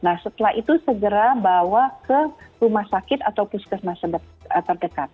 nah setelah itu segera bawa ke rumah sakit atau puskesmas terdekat